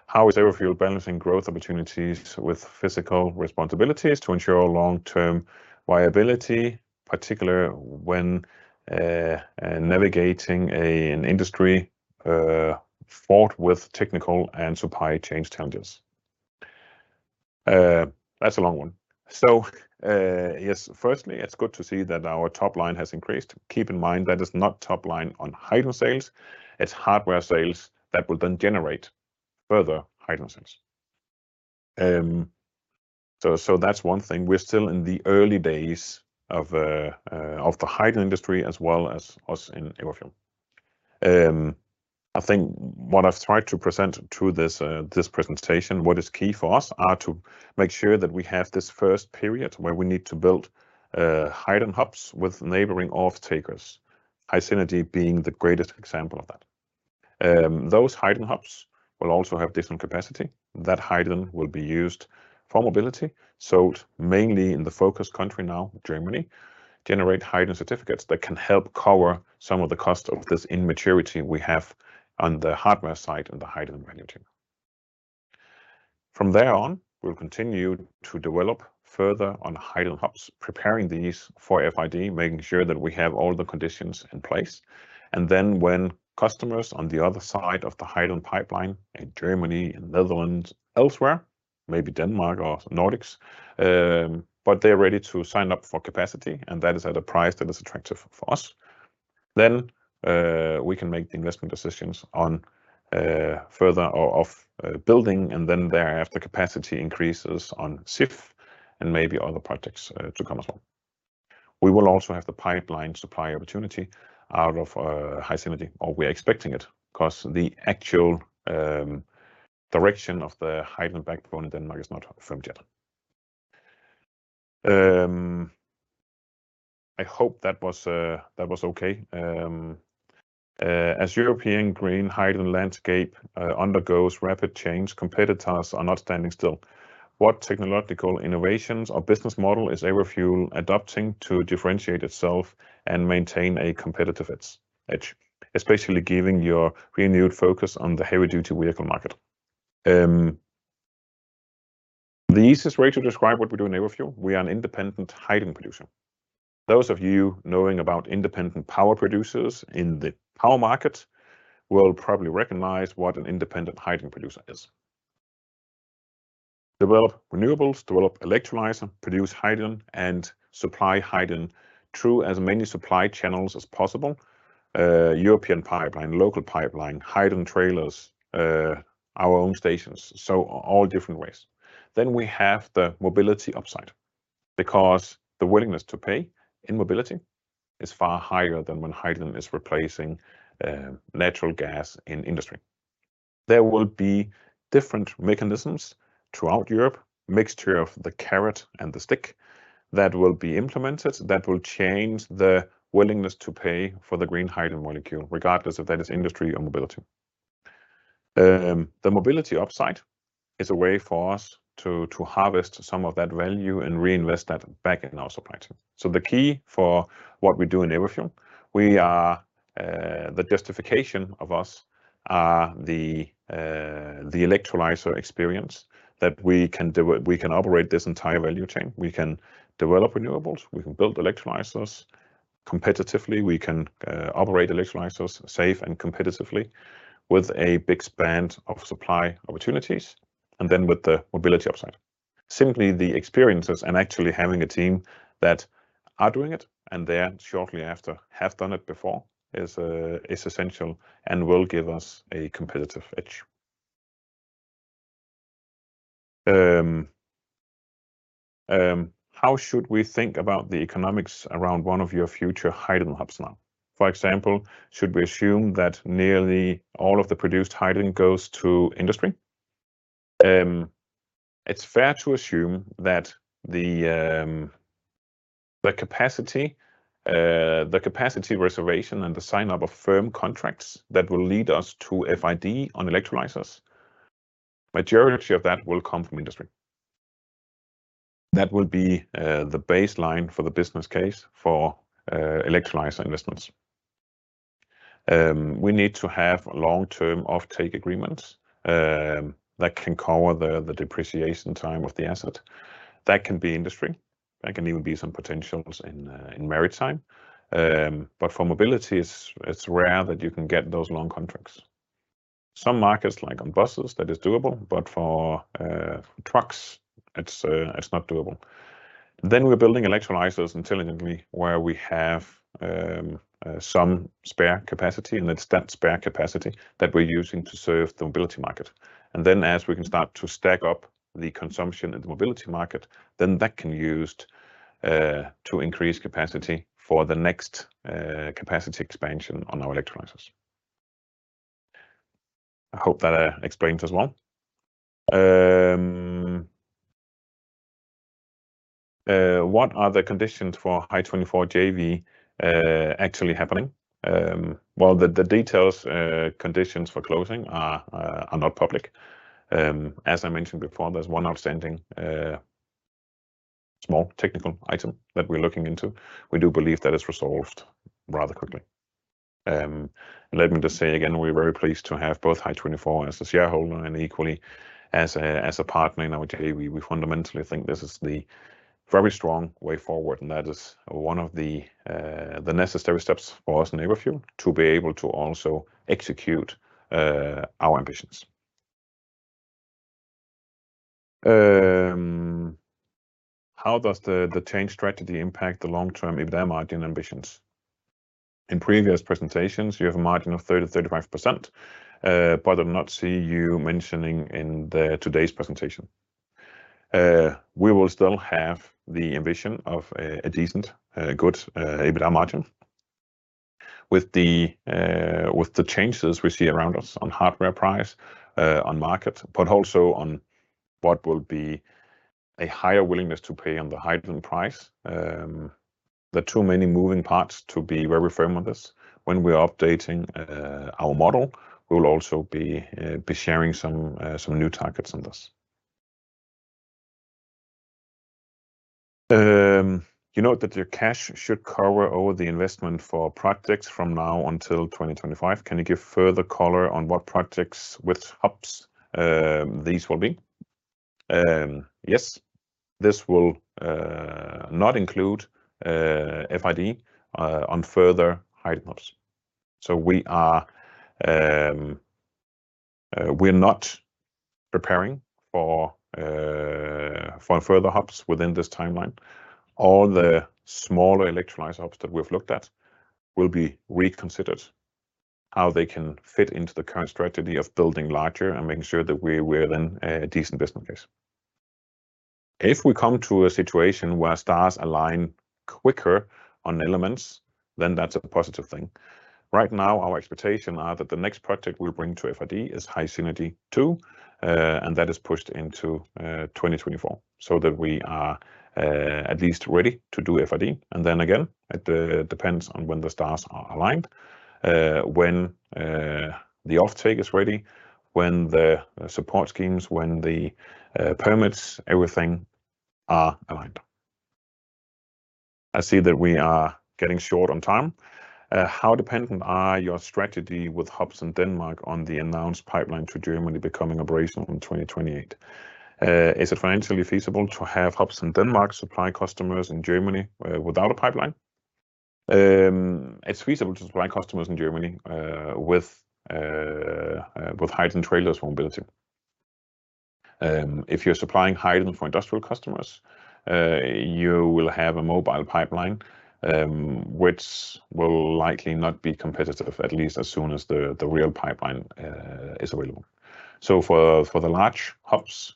How is Everfuel balancing growth opportunities with fiscal responsibilities to ensure long-term viability, particularly when navigating an industry fraught with technical and supply chain challenges? That's a long one. So, yes, firstly, it's good to see that our top line has increased. Keep in mind, that is not top line on hydrogen sales, it's hardware sales that will then generate further hydrogen sales. So, so that's one thing. We're still in the early days of the hydrogen industry as well as us in Everfuel. I think what I've tried to present through this presentation, what is key for us are to make sure that we have this first period where we need to build hydrogen hubs with neighboring off-takers, HySynergy being the greatest example of that. Those hydrogen hubs will also have different capacity. That hydrogen will be used for mobility, sold mainly in the focus country now, Germany, generate hydrogen certificates that can help cover some of the cost of this immaturity we have on the hardware side and the hydrogen value chain. From there on, we'll continue to develop further on hydrogen hubs, preparing these for FID, making sure that we have all the conditions in place, and then when customers on the other side of the hydrogen pipeline in Germany and Netherlands, elsewhere, maybe Denmark or Nordics, but they're ready to sign up for capacity, and that is at a price that is attractive for us, then we can make the investment decisions on further building, and then thereafter, capacity increases on Sif and maybe other projects to come as well. We will also have the pipeline supply opportunity out of HySynergy, or we are expecting it, 'cause the actual direction of the hydrogen backbone in Denmark is not firm yet. I hope that was okay. As European green hydrogen landscape undergoes rapid change, competitors are not standing still. What technological innovations or business model is Everfuel adopting to differentiate itself and maintain a competitive edge, especially given your renewed focus on the heavy-duty vehicle market? The easiest way to describe what we do in Everfuel, we are an independent hydrogen producer. Those of you knowing about independent power producers in the power market will probably recognize what an independent hydrogen producer is. Develop renewables, develop electrolyzer, produce hydrogen, and supply hydrogen through as many supply channels as possible. European pipeline, local pipeline, hydrogen trailers, our own stations, so all different ways. Then we have the mobility upside, because the willingness to pay in mobility is far higher than when hydrogen is replacing natural gas in industry. There will be different mechanisms throughout Europe, mixture of the carrot and the stick, that will be implemented, that will change the willingness to pay for the green hydrogen molecule, regardless if that is industry or mobility. The mobility upside is a way for us to, to harvest some of that value and reinvest that back in our supply chain. So the key for what we do in Everfuel, we are, the justification of us are the, the electrolyzer experience, that we can operate this entire value chain. We can develop renewables, we can build electrolyzers competitively, we can, operate electrolyzers safe and competitively with a big span of supply opportunities, and then with the mobility upside. Simply, the experiences and actually having a team that are doing it, and then shortly after, have done it before, is essential and will give us a competitive edge. How should we think about the economics around one of your future hydrogen hubs now? For example, should we assume that nearly all of the produced hydrogen goes to industry? It's fair to assume that the capacity reservation, and the sign-up of firm contracts that will lead us to FID on electrolyzers, majority of that will come from industry. That will be the baseline for the business case for electrolyzer investments. We need to have long-term offtake agreements that can cover the depreciation time of the asset. That can be industry, that can even be some potentials in maritime. But for mobility, it's rare that you can get those long contracts. Some markets, like on buses, that is doable, but for trucks, it's not doable. Then we're building electrolyzers intelligently, where we have some spare capacity, and it's that spare capacity that we're using to serve the mobility market. And then as we can start to stack up the consumption in the mobility market, then that can be used to increase capacity for the next capacity expansion on our electrolyzers. I hope that explains as well. What are the conditions for Hy24 JV actually happening? Well, the detailed conditions for closing are not public. As I mentioned before, there's one outstanding small technical item that we're looking into. We do believe that is resolved rather quickly. Let me just say again, we're very pleased to have both Hy24 as a shareholder and equally as a partner in our JV. We fundamentally think this is the very strong way forward, and that is one of the necessary steps for us in Everfuel to be able to also execute our ambitions. How does the change strategy impact the long-term EBITDA margin ambitions? In previous presentations, you have a margin of 30%-35%, but I not see you mentioning in the today's presentation. We will still have the ambition of a decent good EBITDA margin with the changes we see around us on hardware price on market, but also on what will be a higher willingness to pay on the hydrogen price. There are too many moving parts to be very firm on this. When we are updating our model, we will also be sharing some new targets on this. You note that your cash should cover all the investment for projects from now until 2025. Can you give further color on what projects with hubs these will be? Yes, this will not include FID on further hydrogen hubs. So we're not preparing for further hubs within this timeline. All the smaller electrolyzer hubs that we've looked at will be reconsidered, how they can fit into the current strategy of building larger and making sure that we're within a decent business case. If we come to a situation where stars align quicker on elements, then that's a positive thing. Right now, our expectation are that the next project we'll bring to FID is HySynergy 2, and that is pushed into 2024. So that we are at least ready to do FID, and then again, it depends on when the stars are aligned, when the offtake is ready, when the support schemes, when the permits, everything are aligned. I see that we are getting short on time. How dependent are your strategy with hubs in Denmark on the announced pipeline to Germany becoming operational in 2028? Is it financially feasible to have hubs in Denmark supply customers in Germany without a pipeline? It's feasible to supply customers in Germany with hydrogen trailers for mobility. If you're supplying hydrogen for industrial customers, you will have a mobile pipeline, which will likely not be competitive, at least as soon as the real pipeline is available. So for the large hubs,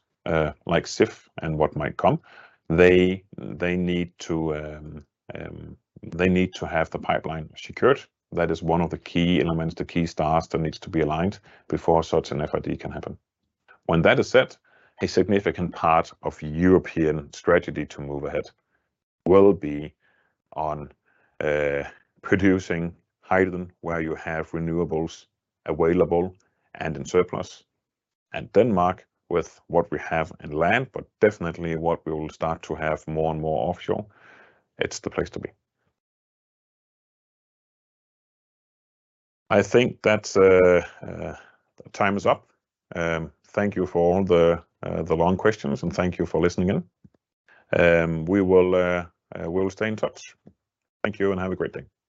like Sif and what might come, they need to have the pipeline secured. That is one of the key elements, the key stars, that needs to be aligned before such an FID can happen. When that is set, a significant part of European strategy to move ahead will be on producing hydrogen, where you have renewables available and in surplus. And Denmark, with what we have on land, but definitely what we will start to have more and more offshore, it's the place to be. I think that's the time is up. Thank you for all the long questions, and thank you for listening in. We will stay in touch. Thank you, and have a great day.